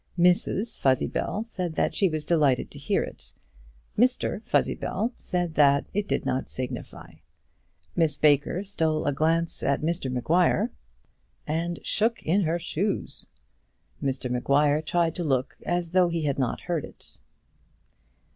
Mrs Fuzzybell said that she was delighted to hear it. Mr Fuzzybell said that it did not signify. Miss Baker stole a glance at Mr Maguire, and shook in her shoes. Mr Maguire tried to look as though he had not heard it.